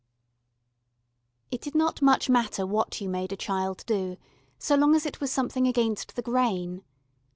It did not much matter what you made a child do, so long as it was something against the grain.